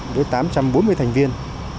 với tám trăm bốn mươi thành viên